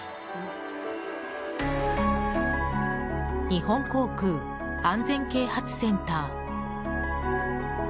日本航空安全啓発センター。